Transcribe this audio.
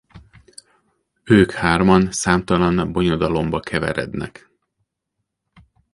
Ők hárman számtalan bonyodalomba keverednek.